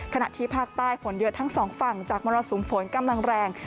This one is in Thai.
ขณะที่ภาคใต้ฝนเยอะทั้งสองฝั่งจากมรสุมฝนกำลังแรง